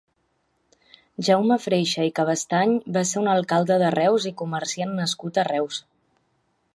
Jaume Freixa i Cabestany va ser un alcalde de Reus i comerciant nascut a Reus.